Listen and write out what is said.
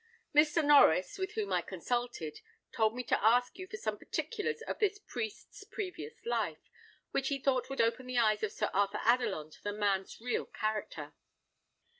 Mr. Norries, with whom I consulted, told me to ask you for some particulars of this priest's previous life, which he thought would open the eyes of Sir Arthur Adelon to the man's real character."